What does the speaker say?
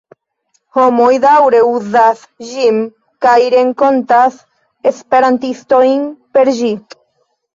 Homoj daŭre uzas ĝin kaj renkontas esperantistojn per ĝi.